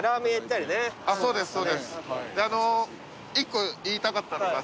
１個言いたかったのが。